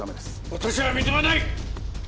私は認めない！